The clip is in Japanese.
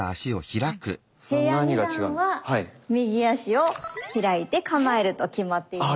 平安二段は右足を開いて構えると決まっている。